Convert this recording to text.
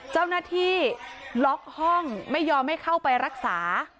เจ้าหน้าที่ล็อกห้องไม่ยอมให้เข้าไปรักษา